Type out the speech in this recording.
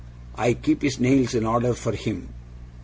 'I keep his nails in order for him.